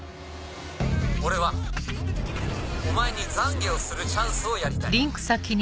俺はお前に懺悔をするチャンスをやりたい。